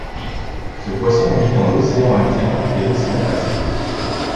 Ce poisson vit dans l'océan Indien et l'océan Pacifique.